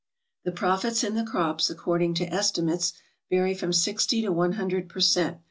The profits in the crops, according to* estimates, vary from sixty to one hundred per cent.